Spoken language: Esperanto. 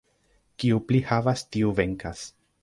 Kiu pli havas, tiu venkas.